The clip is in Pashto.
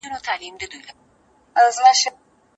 ښوونځی باید د سولې او میني ځای وي.